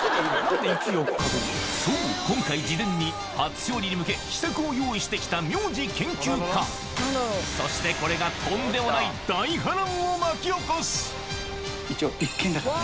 そう今回事前に初勝利に向け秘策を用意してきた名字研究家そしてこれがとんでもない一応１軒だからね。